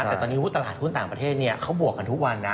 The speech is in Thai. แต่ตอนนี้ตลาดหุ้นต่างประเทศเขาบวกกันทุกวันนะ